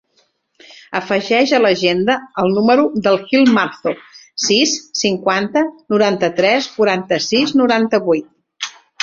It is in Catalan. Afegeix a l'agenda el número del Gil Marzo: sis, cinquanta, noranta-tres, quaranta-sis, noranta-vuit.